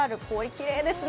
きれいですね。